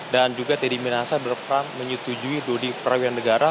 dan juga teddy minasa berperan menyetujui dodi perawilan negara